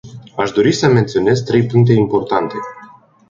Aș dori să menționez trei puncte importante.